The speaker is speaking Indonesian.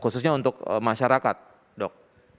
khususnya untuk masyarakat dok